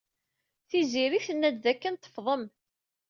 Tiziri tenna-d dakken tefḍem.